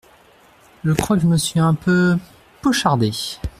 Je crois que je me suis un peu… pochardé !…